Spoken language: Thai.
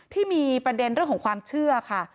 ที่มีประเด็นเรื่องของความเชื่อค่ะ